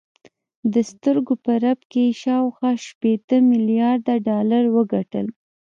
د سترګو په رپ کې یې شاوخوا شپېته میلارده ډالر وګټل